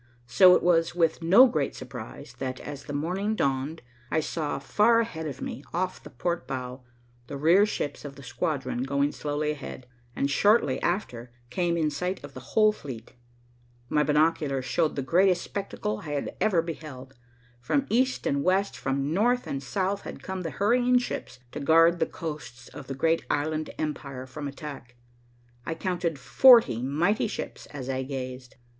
So it was with no great surprise that, as the morning dawned, I saw far ahead of me, off the port bow, the rear ships of the squadron going slowly ahead, and shortly after came in sight of the whole fleet. My binoculars showed the greatest spectacle I had ever beheld. From East and West, from North and South had come the hurrying ships to guard the coasts of the great island empire from attack. I counted forty mighty ships as I gazed.